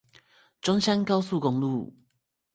中山高速公路